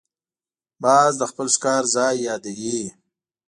باز د خپل ښکار ځای یادوي